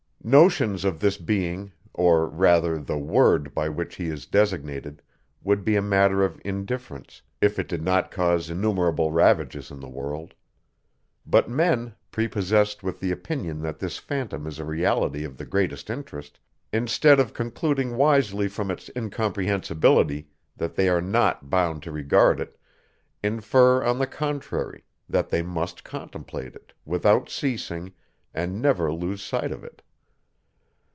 Notions of this being, or rather, the word by which he is designated, would be a matter of indifference, if it did not cause innumerable ravages in the world. But men, prepossessed with the opinion that this phantom is a reality of the greatest interest, instead of concluding wisely from its incomprehensibility, that they are not bound to regard it, infer on the contrary, that they must contemplate it, without ceasing, and never lose sight of it.